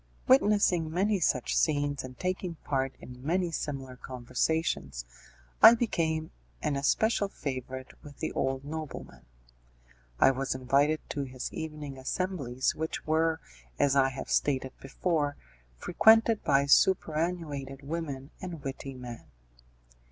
Witnessing many such scenes, and taking part in many similar conversations, I became an especial favourite with the old nobleman. I was invited to his evening assemblies which were, as I have stated before, frequented by superannuated women and witty men.